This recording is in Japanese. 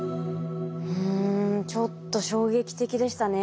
ちょっと衝撃的でしたね。